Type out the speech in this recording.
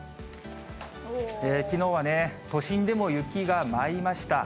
きのうはね、都心でも雪が舞いました。